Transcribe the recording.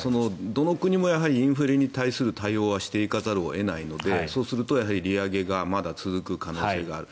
どの国もインフレに対する対応はしていかざるを得ないのでそうすると利上げがまだ続く可能性がある。